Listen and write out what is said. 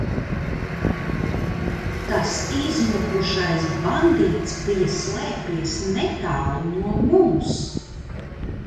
Tas izmukušais bandīts bija slēpies netālu no mums!